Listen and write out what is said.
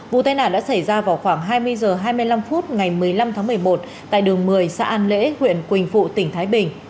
vụ tai nạn đã xảy ra vào khoảng hai mươi h hai mươi năm phút ngày một mươi năm tháng một mươi một tại đường một mươi xã an lễ huyện quỳnh phụ tỉnh thái bình